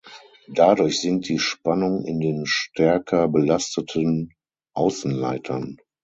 Dadurch sinkt die Spannung in den stärker belasteten Außenleitern.